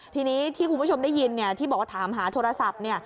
ทีนี้ที่คุณผู้ชมได้ยินที่บอกว่าถามหาโทรศัพท์เนี่ย